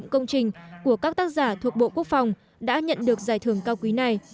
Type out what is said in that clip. công trình của các tác giả thuộc bộ quốc phòng đã nhận được giải thưởng cao quý này